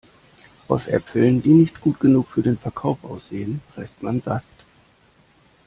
Aus Äpfeln, die nicht gut genug für den Verkauf aussehen, presst man Saft.